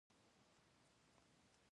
سيدال خان وويل: وخت يې نه دی؟